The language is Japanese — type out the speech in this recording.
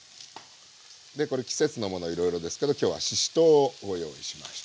でこれ季節のものいろいろですけど今日はししとうをご用意しました。